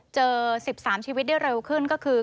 เจอ๑๓ชีวิตได้เร็วขึ้นก็คือ